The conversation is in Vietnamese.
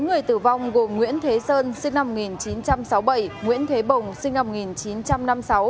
bốn người tử vong gồm nguyễn thế sơn sinh năm một nghìn chín trăm sáu mươi bảy nguyễn thế bồng sinh năm một nghìn chín trăm năm mươi sáu